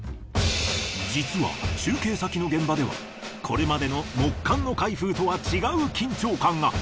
実は中継先の現場ではこれまでの木棺の開封とは違う緊張感が。